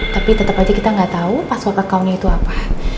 tapi tetap aja kita nggak tahu password accountnya itu apa